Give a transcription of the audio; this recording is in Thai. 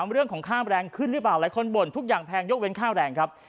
เรื่องของค่าแรงขึ้นหรือเปล่าหลายคนบ่นทุกอย่างแพงยกเว้นค่าแรงครับ